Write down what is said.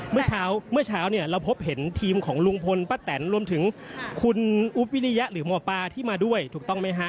เมื่อเช้าเมื่อเช้าเนี่ยเราพบเห็นทีมของลุงพลป้าแตนรวมถึงคุณอุ๊บวิริยะหรือหมอปลาที่มาด้วยถูกต้องไหมฮะ